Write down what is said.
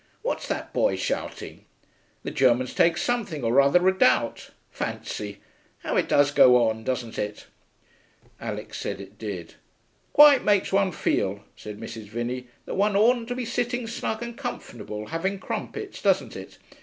What's that boy shouting? The Germans take something or other redoubt.... Fancy! How it does go on, doesn't it?' Alix said it did. 'Quite makes one feel,' said Mrs. Vinney, 'that one oughtn't to be sitting snug and comfortable having crumpets, doesn't it?